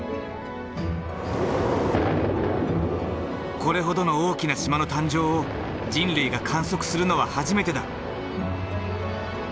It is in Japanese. これほどの大きな島の誕生を人類が観測するのは初めてだ。